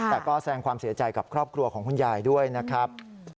แต่ก็แสงความเสียใจกับครอบครัวของคุณยายด้วยนะครับ